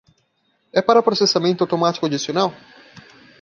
É para processamento automático adicional?